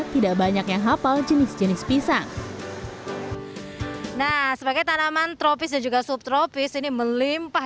tidak banyak yang hafal jenis jenis pisang nah sebagai tanaman tropis dan juga subtropis ini melimpah